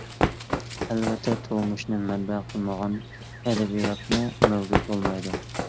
ئەلۋەتتە، تۇرمۇشنى مەنبە قىلمىغان ئەدەبىياتمۇ مەۋجۇت بولمايدۇ.